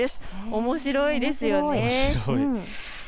おもしろいですよね。